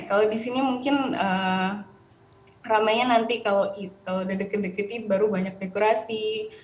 kalau di sini mungkin rame nya nanti kalau udah deket deket baru banyak dekorasi